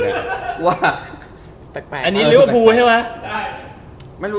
อันนี้รู้ว่าภูมิใช่มะ